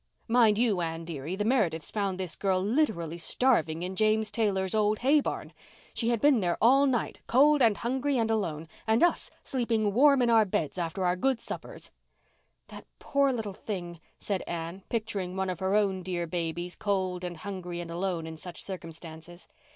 Mind you, Anne dearie, the Merediths found this girl literally starving in James Taylor's old hay barn. She had been there all night, cold and hungry and alone. And us sleeping warm in our beds after good suppers." "The poor little thing," said Anne, picturing one of her own dear babies, cold and hungry and alone in such circumstances.